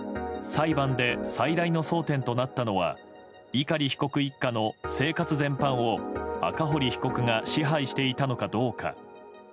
裁判で最大の争点となったのは碇被告一家の生活全般を赤堀被告が支配していたのかどうか。